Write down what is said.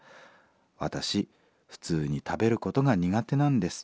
私普通に食べることが苦手なんです。